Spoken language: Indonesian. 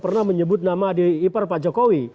pernah menyebut nama di ipar pak jokowi